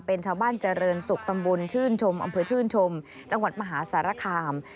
เป็นชาวบ้านเจริญศุกร์ตำบลชื่นชมอำเภอชื่นชมจังหวัดมหาสารคาม